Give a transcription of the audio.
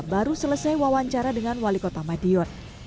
baru selesai wawancara dengan wali kota madiun